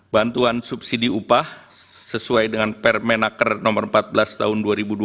bantuan subsidi upah sesuai dengan permenaker no empat belas tahun dua ribu dua puluh